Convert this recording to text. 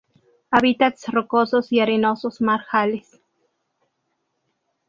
Hábitats rocosos y arenosos, marjales.